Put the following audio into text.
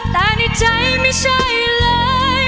แต่ในใจไม่ใช่เลย